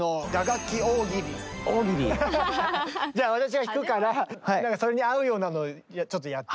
大喜利⁉じゃあ私が弾くからなんかそれに合うようなのちょっとやって。